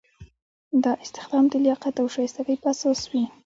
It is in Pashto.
دا استخدام د لیاقت او شایستګۍ په اساس وي.